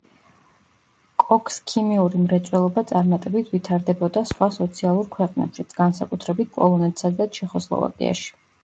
კოქსქიმიური მრეწველობა წარმატებით ვითარდებოდა სხვა სოციალურ ქვეყნებშიც, განსაკუთრებით პოლონეთსა და ჩეხოსლოვაკიაში.